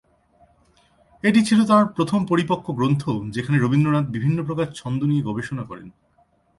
এটি ছিল তাঁর প্রথম পরিপক্ব গ্রন্থ যেখানে রবীন্দ্রনাথ বিভিন্ন প্রকার ছন্দ নিয়ে গবেষণা করেন।